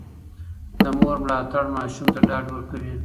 د مور ملاتړ ماشوم ته ډاډ ورکوي.